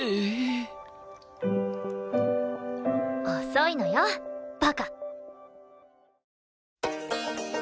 遅いのよバカ！